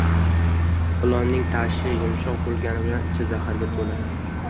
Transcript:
• Ilonning tashi yumshoq bo‘lgani bilan ichi zaharga to‘la.